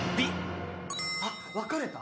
あっ分かれた？